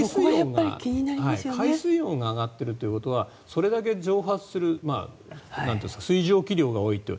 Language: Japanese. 海水温が上がっているということはそれだけ蒸発する水蒸気量が多いという。